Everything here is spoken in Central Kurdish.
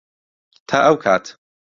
تا ئەو کات.